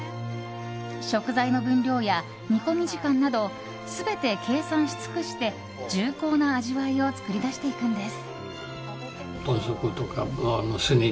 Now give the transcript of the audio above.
食材の分量や煮込み時間など全て計算し尽くして重厚な味わいを作り出していくのです。